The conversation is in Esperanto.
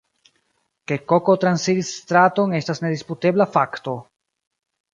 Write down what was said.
Ke koko transiris straton estas nedisputebla fakto.